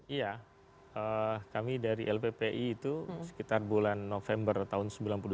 iya kami dari lppi itu sekitar bulan november tahun seribu sembilan ratus sembilan puluh dua